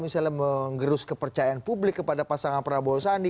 misalnya mengerus kepercayaan publik kepada pasangan prabowo sandi